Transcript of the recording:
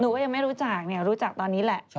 ว่ายังไม่รู้จักเนี่ยรู้จักตอนนี้แหละ